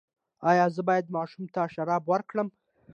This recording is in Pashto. ایا زه باید ماشوم ته شربت ورکړم؟